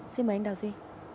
xin mời anh đào duy